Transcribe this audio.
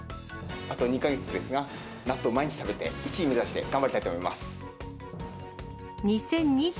あと２か月ですが、納豆、毎日食べて、１位目指して頑張りたいと思います。